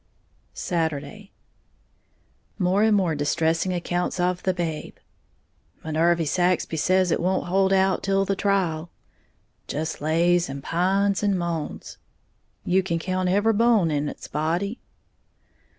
Saturday. More and more distressing accounts of the babe. "Minervy Saxby says it won't hold out till the trial." "Just lays and pines and moans." "You can count every bone in its body".